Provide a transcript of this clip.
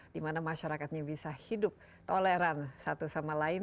dimana masyarakatnya bisa hidup toleran satu sama lain